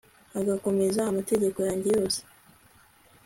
agakomeza amategeko yanjye yose